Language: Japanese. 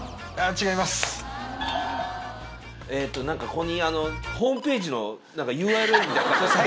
ここにホームページのＵＲＬみたいな。